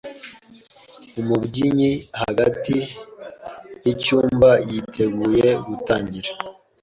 Umubyinnyi hagati yicyumba yiteguye gutangira.